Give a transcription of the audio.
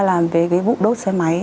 làm về cái vụ đốt xe máy